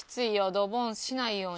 ドボンしないように。